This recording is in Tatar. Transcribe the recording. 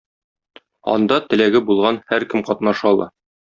Анда теләге булган һәркем катнаша ала.